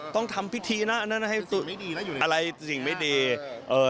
ต้องทำพิธีนะอะไรสิ่งไม่ดี